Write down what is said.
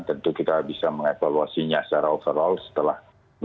tentu kita bisa mengevaluasinya secara overall setelah dua dua